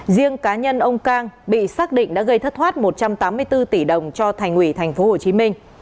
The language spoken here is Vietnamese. riêng cá nhân ông cang bị xác định đã gây thất thoát một trăm tám mươi bốn tỷ đồng cho thành ủy tp hcm